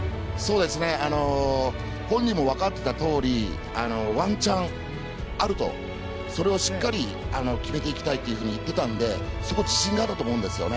本人も分かってたとおりワンチャンあるとそれをしっかり決めていきたいと言っていたのでそこは自信があったと思うんですよね。